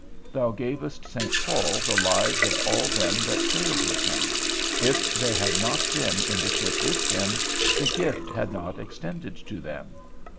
Thou gavest St. Paul the lives of all them that sailed with him; if they had not been in the ship with him, the gift had not extended to them.